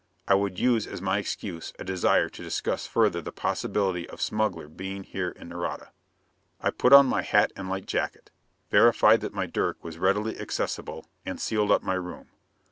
I would use as my excuse a desire to discuss further the possibility of smuggler being here in Nareda. I put on my hat and a light jacket, verified that my dirk was readily accessible and sealed up my room.